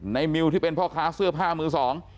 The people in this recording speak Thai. มิวที่เป็นพ่อค้าเสื้อผ้ามือสอง